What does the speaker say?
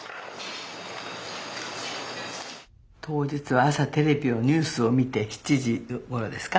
当日朝テレビをニュースを見て７時ごろですか。